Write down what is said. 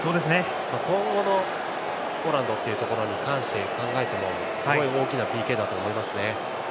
今後のポーランドというところに関して考えてもすごい大きなＰＫだと思います。